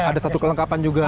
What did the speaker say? ada satu kelengkapan juga